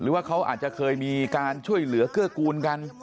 ว่าเขาอาจจะเคยมีการช่วยเหลือเกื้อกูลกัน